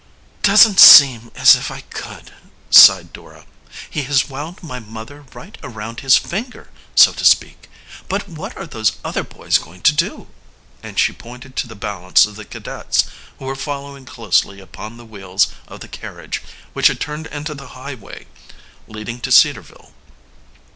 "It doesn't seem as if I could," sighed Dora. "He has wound my mother right around his finger, so to speak. But what are those other boys going to do?" And she pointed to the balance of the cadets, who were following closely upon the wheels of the carriage, which had turned into the highway leading to Cedarville.